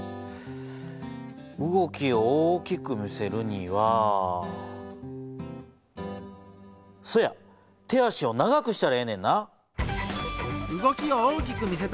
動きを大きく見せるにはそうや手足を長くしたらええねんな。